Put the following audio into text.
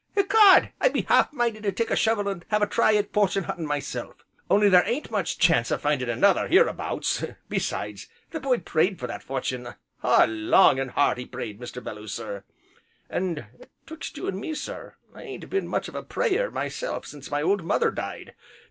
E'cod, I be half minded to take a shovel and have a try at fortun' huntin' myself, only there ain't much chance o' findin' another, hereabouts; besides that b'y prayed for that fortun', ah! long, an' hard he prayed, Mr. Belloo sir, an' 'twixt you an' me, sir, I ain't been much of a pray er myself since my old mother died.